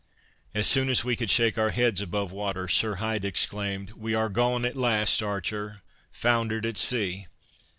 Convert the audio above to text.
As soon as we could shake our heads above water, Sir Hyde exclaimed: "We are gone, at last, Archer! foundered at sea!"